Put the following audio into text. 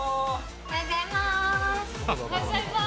おはようございます。